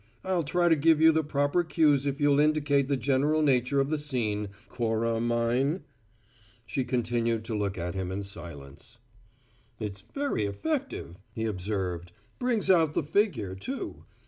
"I'll try to give you the proper cues if you'll indicate the general nature of the scene, Cora mine." She continued to look at him in silence. "It's very effective," he observed. "Brings out the figure, too.